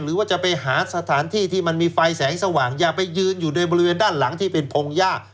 หรือว่าจะไปหาสถานที่ที่มันมีไฟแสงสว่างอย่าไปยืนอยู่ในบริเวณด้านหลังที่เป็นพงหญ้า